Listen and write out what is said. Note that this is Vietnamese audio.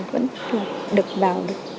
vẫn được vào được